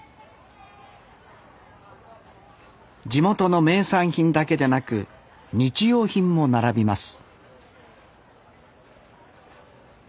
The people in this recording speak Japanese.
地元の名産品だけでなく日用品も並びます